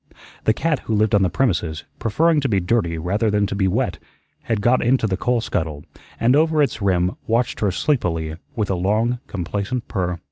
The cat who lived on the premises, preferring to be dirty rather than to be wet, had got into the coal scuttle, and over its rim watched her sleepily with a long, complacent purr.